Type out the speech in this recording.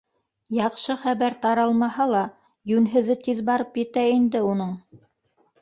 Яҡшы хәбәр таралмаһа ла, йүнһеҙе тиҙ барып етә инде уның...